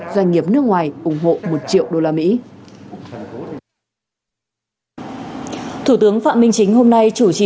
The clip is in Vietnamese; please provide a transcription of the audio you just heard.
doanh nghiệp nước ngoài ủng hộ một triệu usd thủ tướng phạm minh chính hôm nay chủ trì